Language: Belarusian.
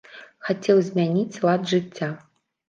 Хацеў змяніць лад жыцця.